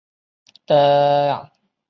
在建设当时成巽阁名为巽御殿。